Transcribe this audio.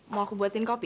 mau aku buatin kopi